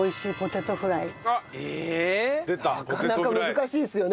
なかなか難しいですよね。